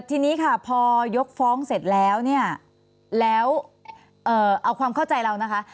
ทีนี้ค่ะพอยกฟ้องเสร็จแล้วเนี่ยแล้วเอาความเข้าใจเรานะคะ